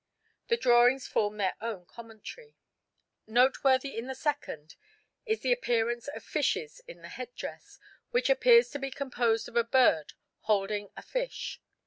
The drawings form their own commentary. Noteworthy in the second is the appearance of fishes in the headdress, which appears to be composed of a bird holding a fish.